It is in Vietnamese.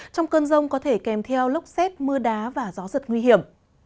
trong cơn rông có thể kèm theo lốc xét mưa đá và gió giật nguy hiểm